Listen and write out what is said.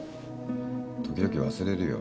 時々忘れるよ。